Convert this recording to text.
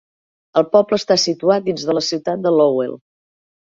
El poble està situat dins de la ciutat de Lowell.